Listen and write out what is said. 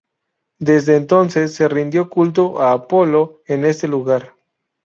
Desde entonces se rindió culto a Apolo en este lugar.